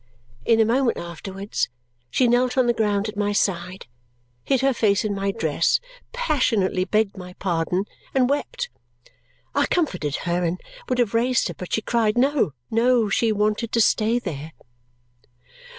In a moment afterwards, she knelt on the ground at my side, hid her face in my dress, passionately begged my pardon, and wept. I comforted her and would have raised her, but she cried no, no; she wanted to stay there!